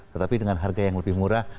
tetapi dengan harga yang lebih murah